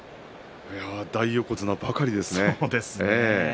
大横綱ばかりですね。